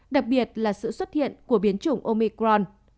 đặc biệt là sự xuất hiện của biến chủng omicron